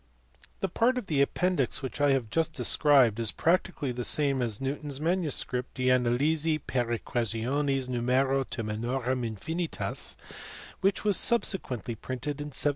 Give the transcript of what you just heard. The part of the appendix which I have just described is practically the same as Newton s manuscript De Analysi per Equationes Numero Terminorum InfinitaSj which was subse quently printed in 1711.